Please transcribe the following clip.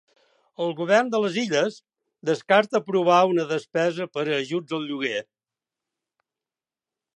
El govern de les Illes descarta aprovar una despesa per ajuts al lloguer